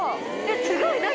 すごい！何？